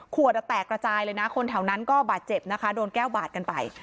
แตกระจายเลยนะคนแถวนั้นก็บาดเจ็บนะคะโดนแก้วบาดกันไป